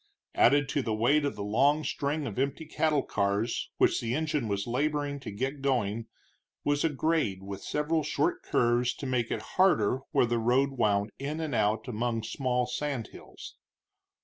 Added to the weight of the long string of empty cattle cars which the engine was laboring to get going was a grade, with several short curves to make it harder where the road wound in and out among small sand hills.